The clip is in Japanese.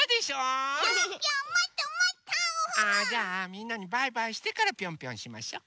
あじゃあみんなにバイバイしてからピョンピョンしましょ。